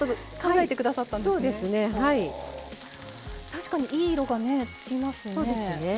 確かにいい色がねつきますね。